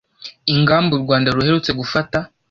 ingamba u Rwanda ruherutse gufata